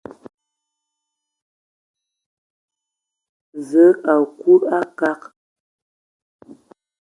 Nkul o ngaayon: Kəŋ, kəŋ, kəŋ, kəŋ, kəŋ!.